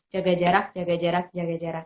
jaga jarak jaga jarak jaga jarak